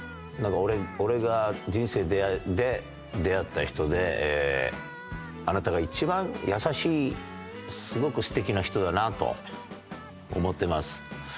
「俺が人生で出会った人であなたが一番優しいすごく素敵な人だなと思ってます」。